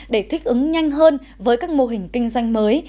để thích ứng nhanh hơn với các mô hình kinh doanh mới